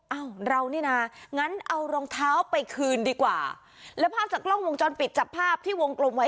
เอ้าเรานี่นะงั้นเอารองเท้าไปคืนดีกว่าแล้วภาพจากกล้องวงจรปิดจับภาพที่วงกลมไว้